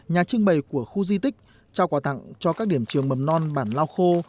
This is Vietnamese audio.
nhà trưng bày của khu di tích trao quà tặng cho các điểm trường mầm non bản lao khô